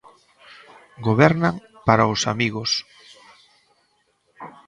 Gobernan para os amigos.